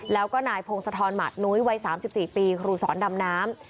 แล้วก็นายพงศธรหมัดนุ้ยวัย๓๔ปีครูสอนดำน้ำ